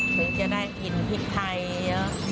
ถึงจะได้กินพริกไทย